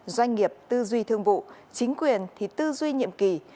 doanh nghiệp tư duy thương vụ chính quyền thì tư duy nhiệm kỳ